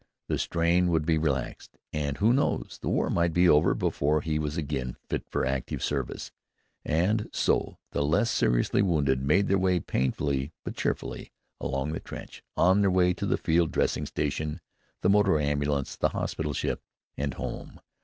The strain would be relaxed, and, who knows, the war might be over before he was again fit for active service. And so the less seriously wounded made their way painfully but cheerfully along the trench, on their way to the field dressing station, the motor ambulance, the hospital ship, and home!